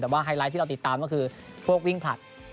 แต่ว่าไฮไลท์ที่เราติดตามก็คือพวกวิ่งผลัด